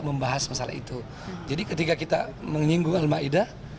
membahas masalah itu jadi ketika kita menyinggung al ma'idah